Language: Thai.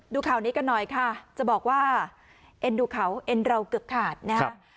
ดูข่าวนี้กันหน่อยค่ะจะบอกว่าเอ็นดูเขาเอ็นเราเกือบขาดนะฮะ